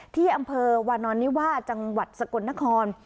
ที่อำเภอวานอนนิวาจังหวัดสกลนคร